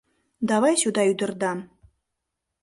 Давай сюда ӱдырдам!